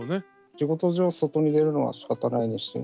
仕事上外に出るのはしかたないにしても。